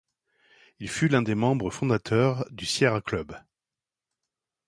Il fut l’un des membres fondateurs du Sierra Club.